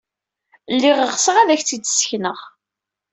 Lliɣ ɣseɣ ad ak-t-id-ssekneɣ.